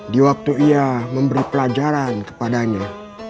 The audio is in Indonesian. diwaktu ia memberi pelajaran kepadanya